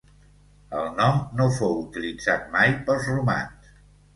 El nom no fou utilitzat mai pels romans.